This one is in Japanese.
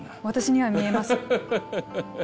私には見えます。